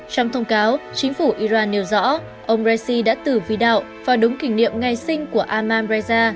trong thông cáo chính phủ iran nêu rõ ông raisi đã tử vi đạo vào đúng kỷ niệm ngày sinh của amman raisa